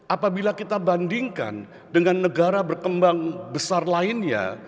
apabila kita bandingkan dengan negara berkembang besar lainnya